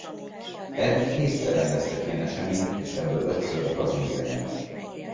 Eddig hétszer rendeztek ilyen eseményt és ebből ötször Brazília nyert.